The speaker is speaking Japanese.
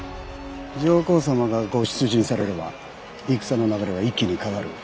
上皇様がご出陣されれば戦の流れは一気に変わる。